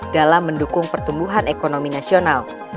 dalam mendukung pertumbuhan ekonomi nasional